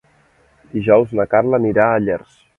Dijous na Carla anirà a Llers.